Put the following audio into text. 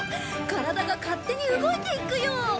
体が勝手に動いていくよ。